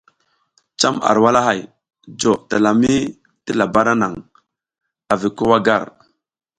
Cam ar walahay jo talami ti labara naŋ avi ko wa gar.